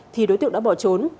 thì đối tượng đã bỏ trốn